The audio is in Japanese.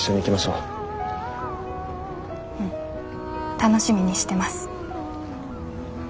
うん楽しみにしてます。